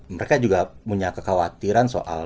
mereka juga punya kekhawatiran soal